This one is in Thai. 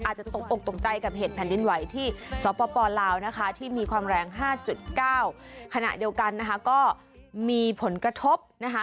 ตกอกตกใจกับเหตุแผ่นดินไหวที่สปลาวนะคะที่มีความแรงห้าจุดเก้าขณะเดียวกันนะคะก็มีผลกระทบนะคะ